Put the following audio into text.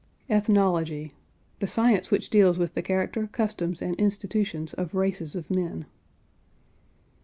ETHNOLOGY. The science which deals with the character, customs, and institutions of races of men.